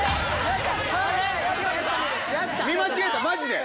見間違えたマジで！